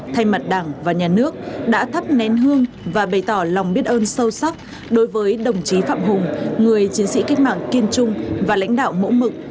thay mặt đảng và nhà nước đã thắp nén hương và bày tỏ lòng biết ơn sâu sắc đối với đồng chí phạm hùng người chiến sĩ cách mạng kiên trung và lãnh đạo mẫu mực